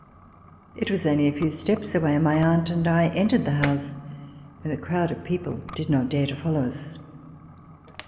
It was only a few steps away, and my aunt and I entered the house, where the crowd of people did not dare to follow us.